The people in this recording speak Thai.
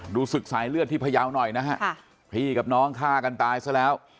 ศึกสายเลือดที่พยาวหน่อยนะฮะพี่กับน้องฆ่ากันตายซะแล้ว